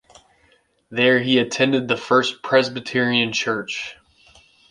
There he attended the First Presbyterian Church.